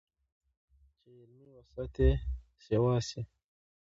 چې علمي وسعت ئې سېوا شي